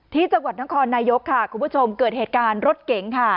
ที่จังหวัดนครนายกค่ะคุณผู้ชมเกิดเหตุการณ์รถเก๋งค่ะ